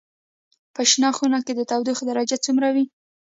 په شنه خونه کې د تودوخې درجه څومره وي؟